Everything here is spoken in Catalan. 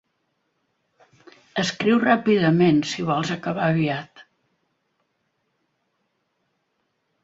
Escriu ràpidament si vols acabar aviat.